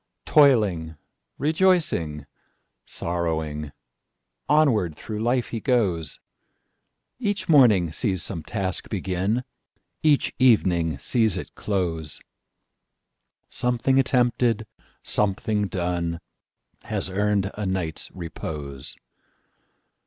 Toiling,—rejoicing,—sorrowing, Onward through life he goes; Each morning sees some task begin, Each evening sees it close; Something attempted, something done, Has earned a night's repose.